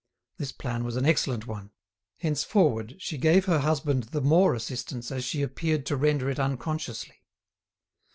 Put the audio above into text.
This plan was an excellent one. Henceforward, she gave her husband the more assistance as she appeared to render it unconsciously.